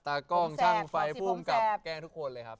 ตากล้องช่างไฟภูมิกับแกล้งทุกคนเลยครับ